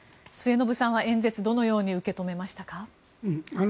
末延さんは演説をどのように受け止めましたか。